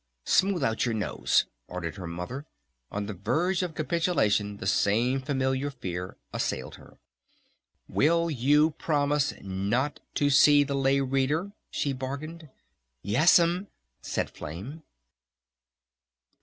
"Smooth out your nose!" ordered her Mother. On the verge of capitulation the same familiar fear assailed her. "Will you promise not to see the Lay Reader?" she bargained. " Yes'm," said Flame.